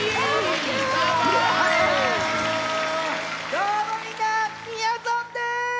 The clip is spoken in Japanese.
どうもみんなみやぞんです！